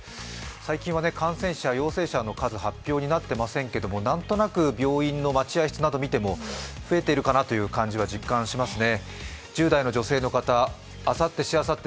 最近は感染者、陽性者の数、発表になっていませんが、何となく病院の待合室などを見ても増えているかなという感じは実感しますね。